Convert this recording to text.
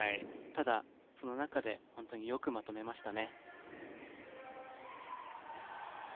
ただその中で本当によくまとめましたね。